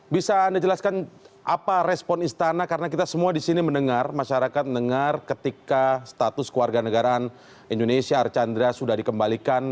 bisa anda jelaskan apa respon istana karena kita semua di sini mendengar masyarakat mendengar ketika status keluarga negaraan indonesia archandra sudah dikembalikan